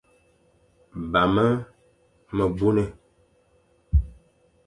Bamge me buné,